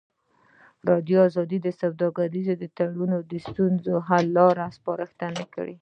ازادي راډیو د سوداګریز تړونونه د ستونزو حل لارې سپارښتنې کړي.